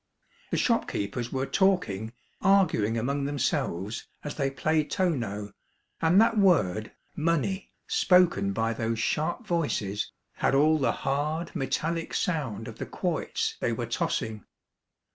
The shopkeepers were talking, arguing among themselves, as they played tonjieau, and that word " money," spoken by those sharp voices, had all the hard metallic sound of the quoits they were tossing.